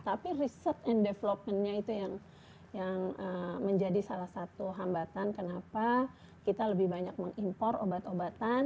tapi research and developmentnya itu yang menjadi salah satu hambatan kenapa kita lebih banyak mengimpor obat obatan